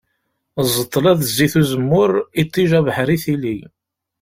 Ẓẓeṭla d zzit uzemmur, iṭij abeḥri tili.